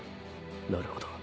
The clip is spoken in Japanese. なるほど。